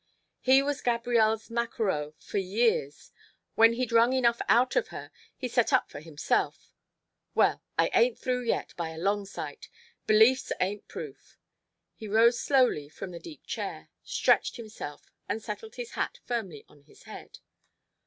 He was Gabrielle's maquereau for years when he'd wrung enough out of her he set up for himself Well, I ain't through yet, by a long sight. Beliefs ain't proof." He rose slowly from the deep chair, stretched himself, and settled his hat firmly on his head.